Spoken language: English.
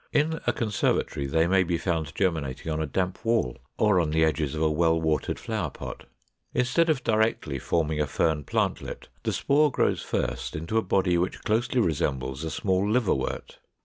In a conservatory they may be found germinating on a damp wall or on the edges of a well watered flower pot. Instead of directly forming a fern plantlet, the spore grows first into a body which closely resembles a small Liverwort.